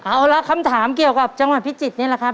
เอาละคำถามเกี่ยวกับจังหวัดพิจิตรนี่แหละครับ